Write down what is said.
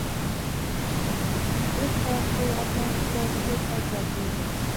You had to account for the paper that you took.